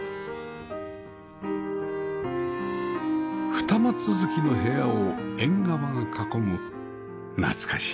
ふた間続きの部屋を縁側が囲む懐かしい間取り